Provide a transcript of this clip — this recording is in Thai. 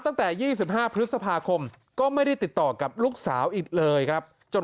ตั้งแต่๒๕พฤษภาคมก็ไม่ได้ติดต่อกับลูกสาวอีกเลยครับจน